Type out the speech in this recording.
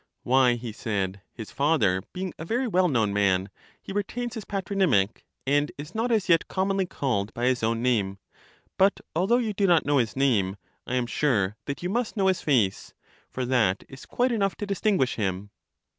Why, he said, his father being a very well known man, he retains his patronymic, and is not as yet com monly called by his own name ; but, although you do not know his name, I am sure that you must know his face, for that is quite enough to distinguish him.